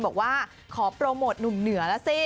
บอกว่าขอโปรโมทหนุ่มเหนือแล้วสิ